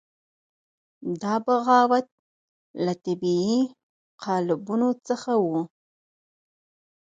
دا بغاوت له طبیعي قالبونو څخه وو.